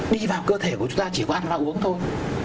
đi vào cơ thể của chúng ta chỉ có ăn ra uống thôi